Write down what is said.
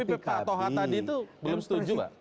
tapi pak toha tadi itu belum setuju nggak